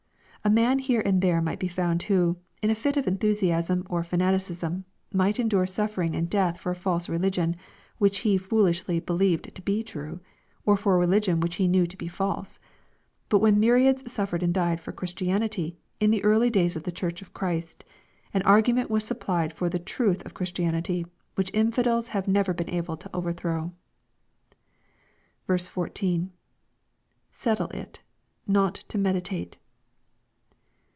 A man here and there might be found who, in a fit of enthusiasm or fanaticism, might endure suffering and death for a false religion, which he foolishly believed to be true, or for a religion which he knew to be false. But when myr iads suffered and died for Christianity, in the early days of the Church of Christ, an argument was supplied for the truth of Christianity, which infidels have never been able to overthrow. 14. — [Settle it^.not to meditate.'